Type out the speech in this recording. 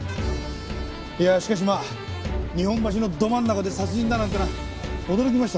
いやあしかしまあ日本橋のど真ん中で殺人だなんて驚きましたね。